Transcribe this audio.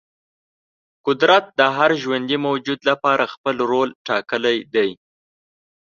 قدرت د هر ژوندې موجود لپاره خپل رول ټاکلی دی.